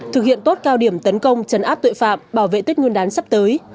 thực hiện tốt cao điểm tấn công chấn áp tội phạm bảo vệ tích nguyên đán sắp tới